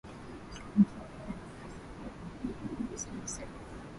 mashariki na kwenye mpaka wa kusini Sehemu